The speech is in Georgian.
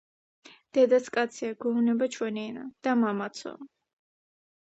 „დედაც კაცია, – გვეუბნება ჩვენი ენა, – და მამაცაო.“